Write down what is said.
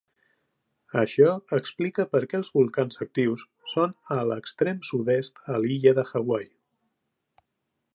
Això explica perquè els volcans actius són a l'extrem sud-est, a l'illa de Hawaii.